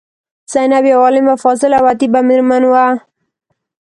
زینب یوه عالمه، فاضله او ادیبه میرمن وه.